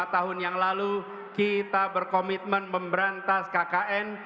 dua puluh lima tahun yang lalu kita berkomitmen memberantas kkn